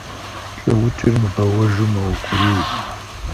Лӏыукӏыр мыбэуэжу мэукӏурий.